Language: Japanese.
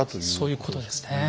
そういうことですね。